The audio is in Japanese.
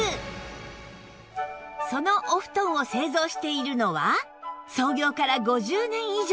そのお布団を製造しているのは創業から５０年以上。